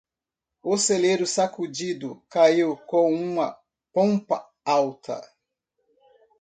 O celeiro sacudido caiu com uma pompa alta.